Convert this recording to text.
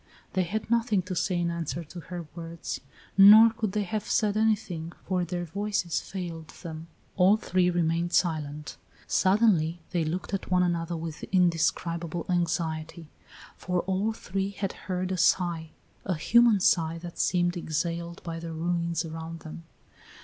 They had nothing to say in answer to her words, nor could they have said anything, for their voices failed them. All three remained silent. Suddenly they looked at one another with indescribable anxiety, for all three had heard a sigh, a human sigh that seemed exhaled by the ruins around them.